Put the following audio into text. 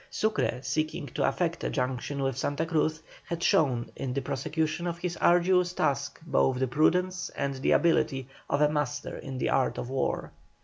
Sucre, seeking to affect a junction with Santa Cruz, had shown in the prosecution of his arduous task both the prudence and the ability of a master in the art of war.